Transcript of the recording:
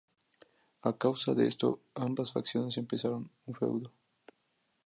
A causa de esto, ambas facciones empezaron un feudo.